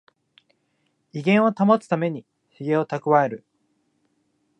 威厳を保つためにヒゲをたくわえる